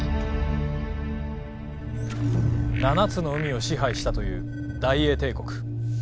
７つの海を支配したという大英帝国。